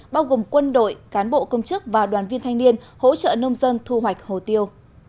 bao gồm quân đội cán bộ công chức và đoàn viên thanh niên hỗ trợ nông dân thu hoạch hồ tiêu